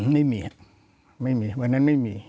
ไม่มีครับวันนั้นไม่มี